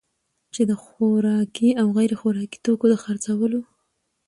چي د خوراکي او غیر خوراکي توکو دخرڅولو